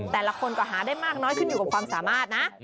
แต่ละคนก็หาได้มากน้อยขึ้นอยู่กับความสามารถนะ